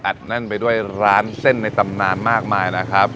แน่นไปด้วยร้านเส้นในตำนานมากมายนะครับ